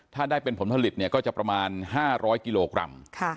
ถ้าได้เป็นผลผลิตเนี่ยก็จะประมาณ๕๐๐กิโลกรัม